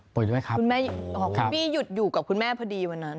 ป่วยด้วยครับโอ้โหค่ะพี่หยุดอยู่กับคุณแม่พอดีวันนั้น